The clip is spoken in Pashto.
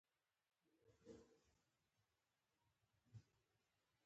ـ ورور دې وي په لاهور دې وي.